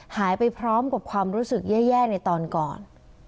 หายไปพร้อมกับความรู้สึกแย่ในตอนก่อน